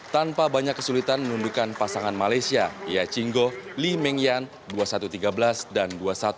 tanpa banyak kesulitan menundukan pasangan malaysia ia chinggo li meng yan dua puluh satu tiga belas dan dua puluh satu empat belas